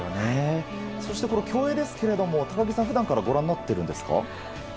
そして、この競泳ですけれども高木さん、普段からご覧になっているんですか？